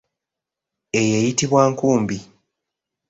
Eyo eyitibwa nkumbi.